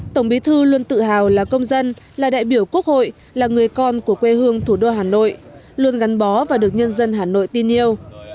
tổng bí thư luôn tự hào là công dân là đại biểu quốc hội là người con của quê hương thủ đô hà nội luôn gắn bó và được nhân dân hà nội tin yêu